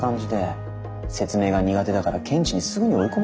説明が苦手だから検事にすぐに追い込まれちゃうんですよ。